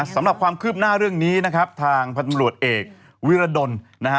สำหรับความคืบหน้าเรื่องนี้นะครับทางพันธบรวจเอกวิรดลนะฮะ